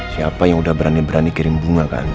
siapa yang udah berani berani kirim bunga ke andi